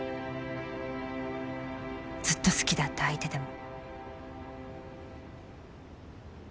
ずっと好きだった相手でも。